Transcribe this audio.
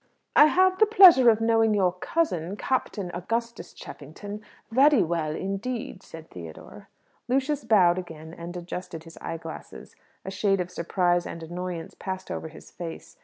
"I have the pleasure of knowing your cousin, Captain Augustus Cheffington, very well indeed," said Theodore. Lucius bowed again and adjusted his eyeglass. A shade of surprise and annoyance passed over his face.